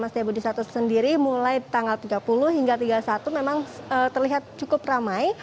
mas jaya budi sato sendiri mulai tanggal tiga puluh hingga tiga puluh satu memang terlihat cukup ramai